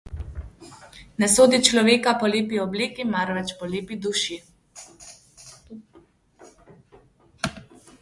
Ne sodi človeka po lepi obleki, marveč po lepi duši.